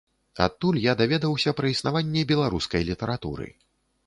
Адтуль я даведаўся пра існаванне беларускай літаратуры.